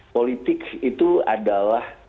politik itu adalah